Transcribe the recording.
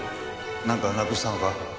なんかなくしたのか？